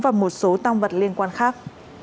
và một số tăng vật liên quan khác